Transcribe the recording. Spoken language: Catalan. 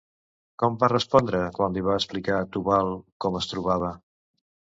Com va respondre quan li va explicar Tubal com es trobava?